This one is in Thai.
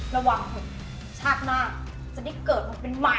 ระวังคนชาติหน้าจะได้เกิดมาเป็นใหม่